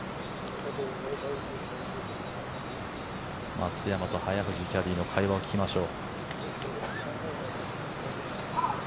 松山と早藤キャディーの会話を聞きましょう。